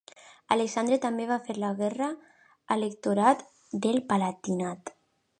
Alexandre també va fer la guerra a l'Electorat del Palatinat.